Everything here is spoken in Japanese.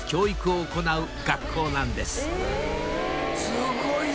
すごい！